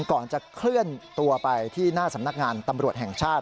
ก่อนจะเคลื่อนตัวไปที่หน้าสำนักงานตำรวจแห่งชาติ